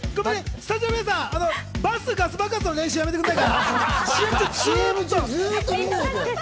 スタジオの皆さん、バスガス爆発の練習やめてください！